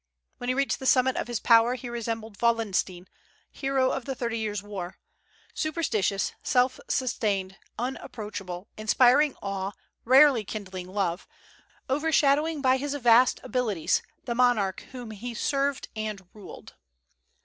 When he reached the summit of his power he resembled Wallenstein, the hero of the Thirty Years War, superstitious, self sustained, unapproachable, inspiring awe, rarely kindling love, overshadowing by his vast abilities the monarch whom he served and ruled.